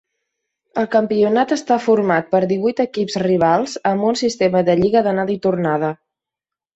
El campionat està format per divuit equips rivals amb un sistema de lliga d'anada i tornada.